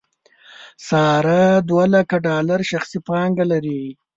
ساره دولکه ډالر شخصي پانګه لري.